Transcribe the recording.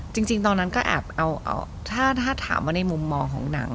จริงตอนนั้นก็แอบเอาถ้าถามว่าในมุมมองของหนัง